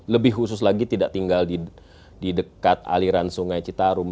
lebih khusus lagi tidak tinggal di dekat aliran sungai citarum